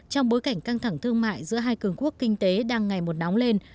trong bối cảnh căng thẳng thương mại giữa hai cường quốc kinh tế đang ngày một nóng lên